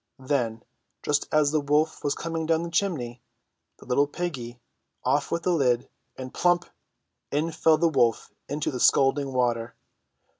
Then, just as the wolf was coming down the chimney, the little piggy off with the lid, and plump ! in fell the wolf into the scalding water.